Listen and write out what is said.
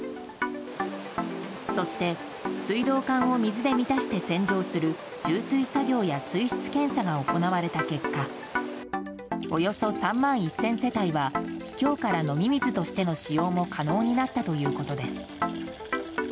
そして、水道管を水で満たして洗浄する充水作業や水質検査が行われた結果およそ３万１０００世帯は今日から飲み水としての使用も可能になったということです。